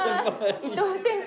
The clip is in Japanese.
伊藤先輩。